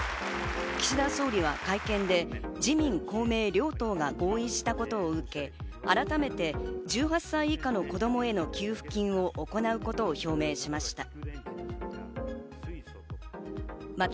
岸田総理は会見で自民・公明両党が合意したことを受け、改めて１８歳以下の子供への給付金を行うことを表明しました。